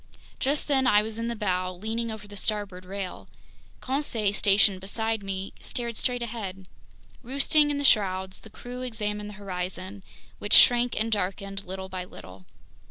Just then I was in the bow, leaning over the starboard rail. Conseil, stationed beside me, stared straight ahead. Roosting in the shrouds, the crew examined the horizon, which shrank and darkened little by little.